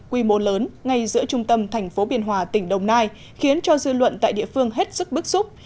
quy mô lớn ngay giữa trung tâm thành phố biên hòa tỉnh đồng nai khiến cho dư luận tại địa phương hết sức bức xúc